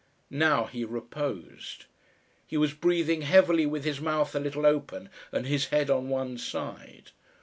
Now he reposed. He was breathing heavily with his mouth a little open and his head on one side.